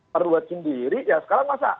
perluat sendiri ya sekarang masa